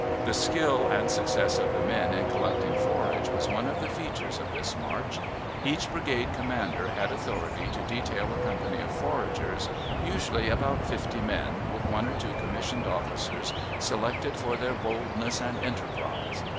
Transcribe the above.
The skill and success of the men in collecting forage was one of the features of this march. Each brigade commander had authority to detail a company of foragers, usually about fifty men, with one or two commissioned officers selected for their boldness and enterprise.